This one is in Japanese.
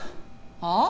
はあ？